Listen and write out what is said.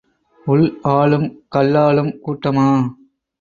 உள் ஆளும் கள்ளாளும் கூட்டமா?